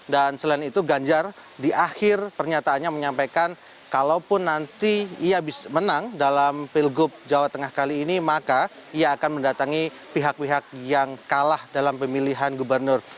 dan selain itu ganjar di akhir pernyataannya menyampaikan kalaupun nanti ia menang dalam pilgub jawa tengah kali ini maka ia akan mendatangi pihak pihak yang kalah dalam pemilihan gubernur